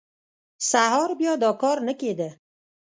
سهار بیا دا کار نه کېده.